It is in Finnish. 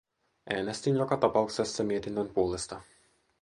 Äänestin joka tapauksessa mietinnön puolesta.